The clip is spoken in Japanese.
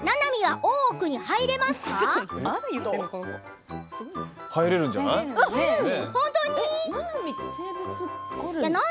入れるんじゃない？